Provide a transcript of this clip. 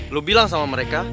lu bilang sama mereka